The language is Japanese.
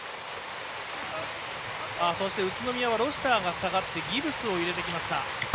そして、宇都宮はロシターが下がってギブスを入れてきました。